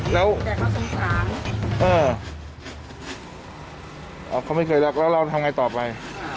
แล้วแกก็สงสารเอออ๋อเขาไม่เคยรักแล้วเราทำไงต่อไป